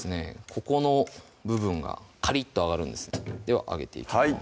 ここの部分がカリッと揚がるんですでは揚げていきます